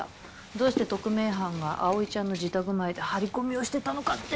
どうして特命班が葵ちゃんの自宅前で張り込みをしてたのかって。